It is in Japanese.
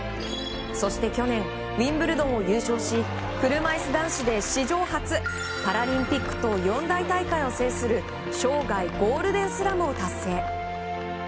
そして去年ウィンブルドンを優勝し車いす男子で史上初パラリンピックと四大大会を制する生涯ゴールデンスラムを達成。